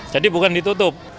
jadi bukan ditutup